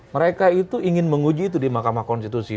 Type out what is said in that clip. mereka itu ingin menguji itu di mahkamah konstitusi